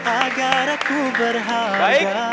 agar aku berharga